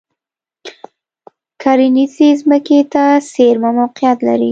کرنیزې ځمکې ته څېرمه موقعیت لري.